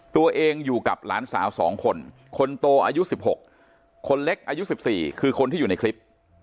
ตัวเองอยู่กับหลานสาว๒คนคนโตอายุ๑๖คนเล็กอายุ๑๔คือคนที่อยู่ในคลิป